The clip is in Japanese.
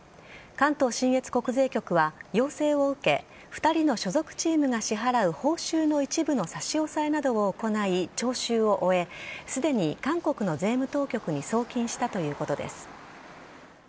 関東信越国税局は要請を受け２人の所属チームが支払う報酬の一部の差し押さえなどを行い徴収を終えすでに韓国の税務当局に送金したということです。